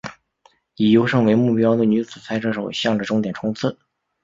以优胜为目标的女子赛车手向着终点冲刺！